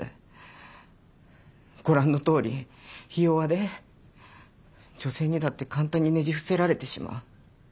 ご覧のとおりひ弱で女性にだって簡単にねじ伏せられてしまう。